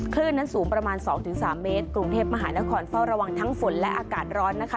คลื่นนั้นสูงประมาณ๒๓เมตรกรุงเทพมหานครเฝ้าระวังทั้งฝนและอากาศร้อนนะคะ